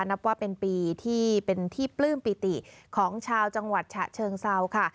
นับว่าเป็นปีที่เป็นที่ปลื้มปิติของชาวจังหวัดฉะเชิงเซาค่ะ